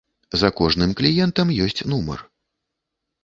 За кожным кліентам ёсць нумар.